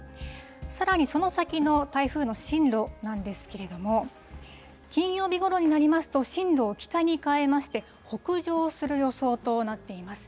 さらに、その先の台風の進路なんですけれども、金曜日ごろになりますと、進路を北に変えまして、北上する予想となっています。